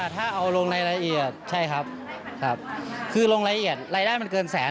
ถ้าเอาลงในรายละเอียดใช่ครับครับคือลงรายละเอียดรายได้มันเกินแสน